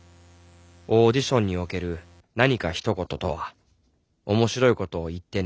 オーディションにおける「何かひと言」とは面白いことを言ってねという暗黙のルールだ